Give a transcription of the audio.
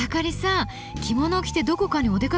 着物を着てどこかにお出かけですか？